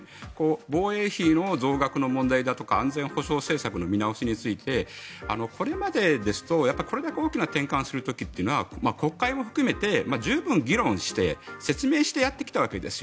防衛費の増額の問題だとか安全保障政策の見直しについてこれまでですと、これだけ大きな転換をする時というのは国会を含めて十分議論して説明してやってきたわけですよ。